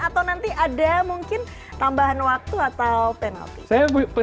atau nanti ada mungkin tambahan waktu atau penalti